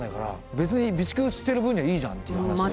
別に備蓄してる分にはいいじゃんっていう話で。